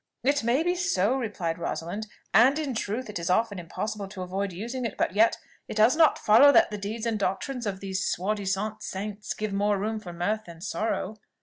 "It may be so," replied Rosalind, "and in truth it is often impossible to avoid using it; but yet it does not follow that the deeds and doctrines of these soi disant saints give more room for mirth than sorrow."